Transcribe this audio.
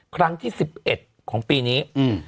ครั้งที่๑๑ของปีนี้